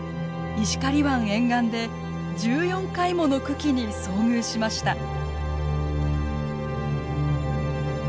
石狩湾沿岸で１４回もの群来に遭遇しました。